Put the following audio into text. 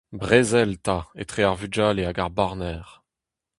Brezel 'ta etre ar vugale hag ar barner.